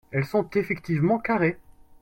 Elles sont effectivement carrées.